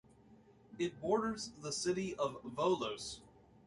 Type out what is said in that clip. It borders the city of Volos.